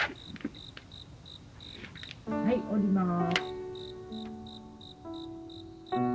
はい下ります。